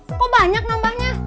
eh kok banyak nombanya